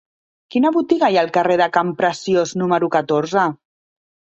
Quina botiga hi ha al carrer de Campreciós número catorze?